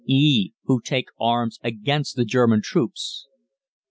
(e) Who take arms against the German troops.